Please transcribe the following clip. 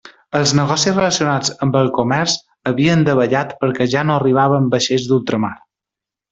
Els negocis relacionats amb el comerç havien davallat perquè ja no arribaven vaixells d'ultramar.